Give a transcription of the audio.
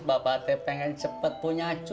bapak t pengen cepet punya cucu